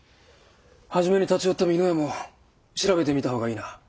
初めに立ち寄った美濃屋も調べてみた方がいいな。